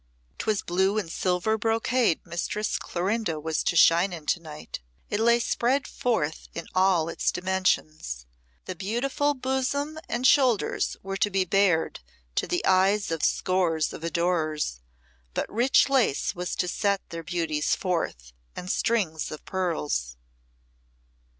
'Twas blue and silver brocade Mistress Clorinda was to shine in to night; it lay spread forth in all its dimensions. The beautiful bosom and shoulders were to be bared to the eyes of scores of adorers, but rich lace was to set their beauties forth, and strings of pearls.